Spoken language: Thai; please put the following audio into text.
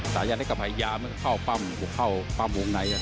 สายยาเล็กกับไฮยาเข้าป้ำไปเข้าป็อมงงไหน